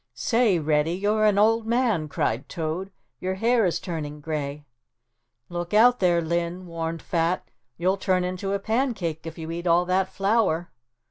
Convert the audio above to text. "Say, Reddy, you're an old man," cried Toad, "your hair is turning gray." "Look out there, Linn," warned Fat, "you'll turn into a pancake if you eat all that flour."